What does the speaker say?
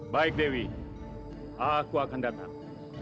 baik dewi aku akan datang